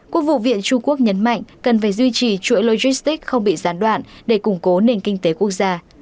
quốc vụ viện trung quốc nhấn mạnh cần phải duy trì chuỗi không bị gián đoạn để củng cố nền kinh tế quốc gia